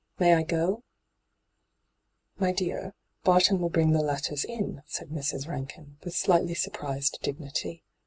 ' Maj I go ?'' My dear, Barton will bring the letters in,' said Mrs. Bankin, with slightly surprised dignity.